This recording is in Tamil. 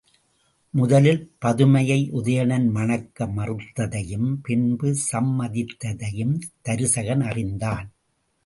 முதலில் பதுமையை உதயணன் மணக்க மறுத்ததையும் பின்பு சம்மதித்ததையும் தருசகன் அறிந்தான்.